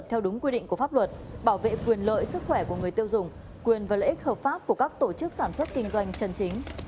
hãy đăng ký kênh để nhận thông tin nhất